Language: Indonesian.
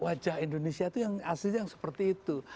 wajah indonesia tuh yang asli yang seperti itu